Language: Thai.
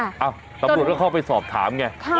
ตำรวจก็เข้าไปสอบถามไง